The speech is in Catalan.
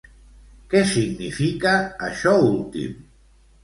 Què significa això últim?